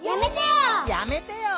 「やめてよ」